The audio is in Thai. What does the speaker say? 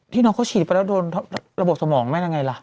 พี่น้องเขาฉีดไปแล้วโดนระบบสมองไหมล่ะไงล่ะ